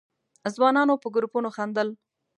ځوانانو په گروپونو خندل.